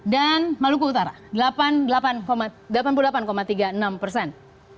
dan maluku utara delapan puluh delapan tiga puluh enam persen